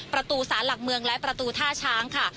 ประตูสารหลักเมืองและประตูท่าช้างค่ะ